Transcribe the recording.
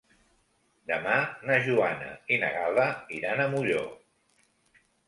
Demà na Joana i na Gal·la iran a Molló.